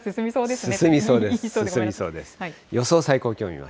予想最高気温。